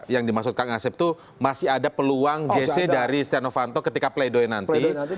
yang dimaksud kak ngasib itu masih ada peluang jc dari istiano fanto ketika play doh nya nanti